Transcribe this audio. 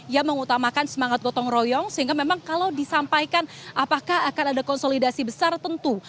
ia mengutamakan semangat gotong royong sehingga memang kalau disampaikan apakah akan ada konsolidasi besar tentu